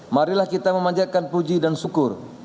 marilah kita memanjatkan puji dan syukur